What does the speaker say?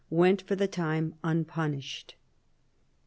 went for the time unpunished.